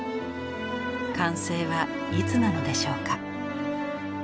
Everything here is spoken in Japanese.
完成はいつなのでしょうか。